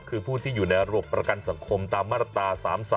คือผู้ที่อยู่ในระบบประกันสังคมตามมาตรา๓๓